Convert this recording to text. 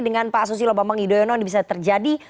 dengan pak asusi lobambang yudhoyono ini bisa terjadi